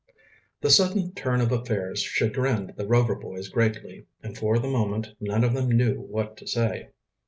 The sudden turn of affairs chagrined the Rover boys greatly, and for the moment none of them knew what to say.